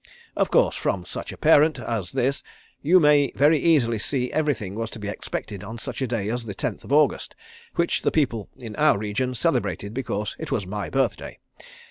"Of course from such a parent as this you may very easily see everything was to be expected on such a day as the Tenth of August which the people in our region celebrated because it was my birthday.